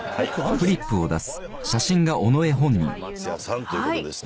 尾上松也さんということですね。